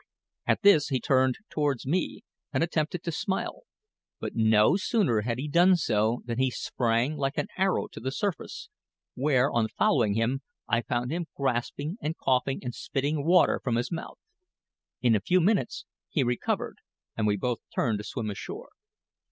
At this he turned towards me and attempted to smile; but no sooner had he done so than he sprang like an arrow to the surface, where, on following him, I found him gasping and coughing and spitting water from his mouth. In a few minutes he recovered, and we both turned to swim ashore.